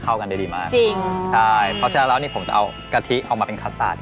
แค่เพราะฉะนั้นผมจะเอากะทิออกมาเป็นค้าสตาร์ท